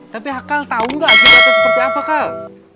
tapi hakal tau nggak akhirnya ada seperti apa kal